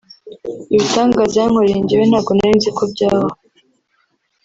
ibitangaza yankoreye njyewe ntabwo nari nzi ko byahaho